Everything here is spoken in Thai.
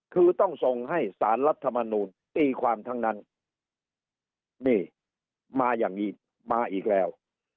คือต้องส่งให้สารรัฐมนูลตีความทั้งนั้นนี่มาอย่างนี้มาอีกแล้ว